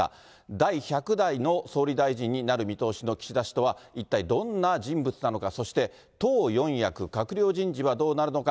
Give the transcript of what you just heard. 第１００代の総理大臣になる見通しの岸田氏とは、一体どんな人物なのか、そして党四役、閣僚人事はどうなるのか。